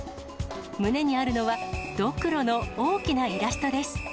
胸にあるのは、どくろの大きなイラストです。